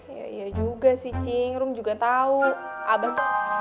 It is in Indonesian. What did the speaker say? ya iya juga sih cing rom juga tahu abah